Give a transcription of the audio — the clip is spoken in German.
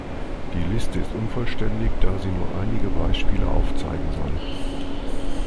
Die Liste ist unvollständig, da sie nur einige Beispiele aufzeigen soll.